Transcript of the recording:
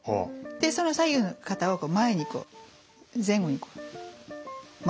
その左右の肩を前にこう前後に回すんですね。